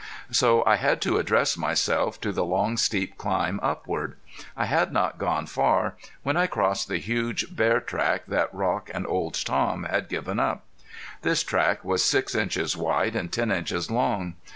So I had to address myself to the long steep climb upward. I had not gone far when I crossed the huge bear track that Rock and Old Tom had given up. This track was six inches wide and ten inches long.